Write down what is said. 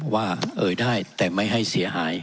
เอ่ยได้แต่ไม่ให้เสียหาย